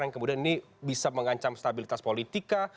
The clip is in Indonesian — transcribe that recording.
yang kemudian ini bisa mengancam stabilitas politika